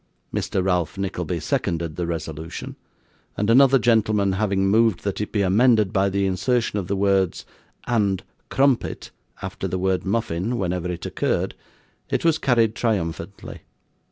Mr. Ralph Nickleby seconded the resolution, and another gentleman having moved that it be amended by the insertion of the words 'and crumpet' after the word 'muffin,' whenever it occurred, it was carried triumphantly.